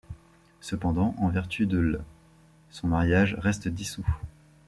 Cependant, en vertu de l', son mariage reste dissous.